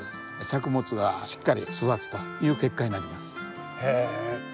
作物がしっかり育つという結果になります。